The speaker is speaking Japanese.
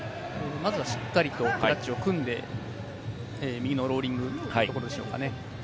まずはしっかりとマッチを組んで右のローリングというところでしょうかね。